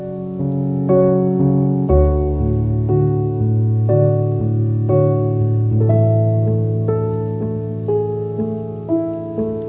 fia yang diberikan kemampuan untuk memperoleh kemampuan